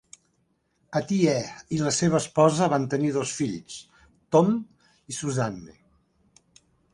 Atiyeh i la seva esposa van tenir dos fills, Tom i Suzanne.